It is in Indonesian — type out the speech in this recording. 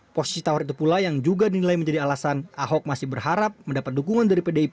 posisi tawar itu pula yang juga dinilai menjadi alasan ahok masih berharap mendapat dukungan dari pdip